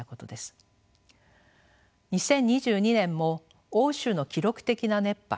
２０２２年も欧州の記録的な熱波